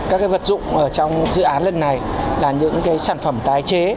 các vật dụng trong dự án lần này là những sản phẩm tái chế